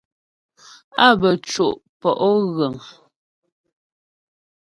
Á bə́ co' pɔ'o ghəŋ.